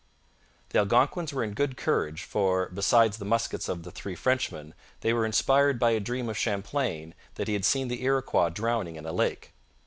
The Algonquins were in good courage, for, besides the muskets of the three Frenchmen, they were inspired by a dream of Champlain that he had seen the Iroquois drowning in a lake.